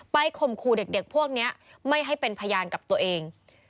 ข่มขู่เด็กพวกนี้ไม่ให้เป็นพยานกับตัวเอง